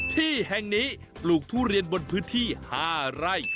ที่แห่งนี้ปลูกทุเรียนบนพื้นที่๕ไร่